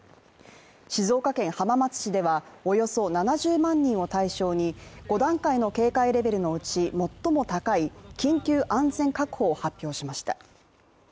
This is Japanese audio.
静岡県浜松市ではおよそ７０万人を対象に５段階の警戒レベルのうち、最も高い緊急安全確保を発表しました。